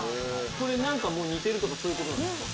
これもう煮てるとかそういうことですか？